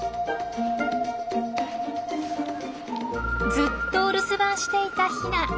ずっとお留守番していたヒナ。